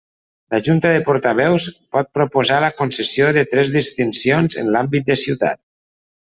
La Junta de Portaveus pot proposar la concessió de tres distincions en l'àmbit de ciutat.